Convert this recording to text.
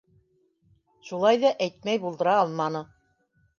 Шулай ҙа әйтмәй булдыра алманы: